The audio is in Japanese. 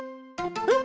えっ？